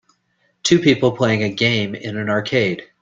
Two people playing a game in an arcade.